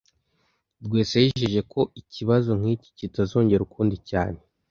Rwesa yijeje ko ikibazo nk'iki kitazongera ukundi cyane